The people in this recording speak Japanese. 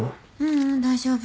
ううん大丈夫。